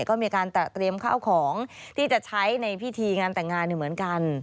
ก็มีการเตรียมข้าวของที่จะใช้ในพิธีงานแต่งงานเหมือนกัน